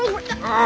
ああ。